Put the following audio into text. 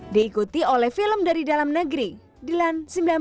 diikuti oleh film dari dalam negeri dilan seribu sembilan ratus sembilan puluh